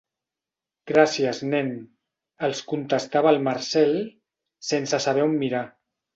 Gràcies nen —els contestava el Marcel, sense saber on mirar.